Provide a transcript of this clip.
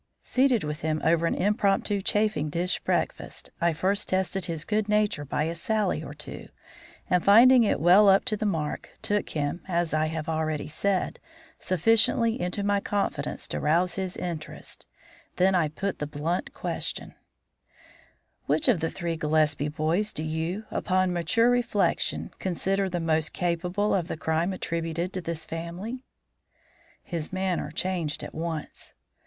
Seated with him over an impromptu chafing dish breakfast, I first tested his good nature by a sally or two, and finding it well up to the mark, took him, as I have already said, sufficiently into my confidence to rouse his interest; then I put the blunt question: "Which of the three Gillespie boys do you, upon mature reflection, consider the most capable of the crime attributed to this family?" His manner changed at once.